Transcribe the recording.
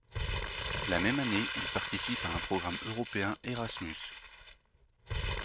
La même année, il participe à un programme européen Erasmus.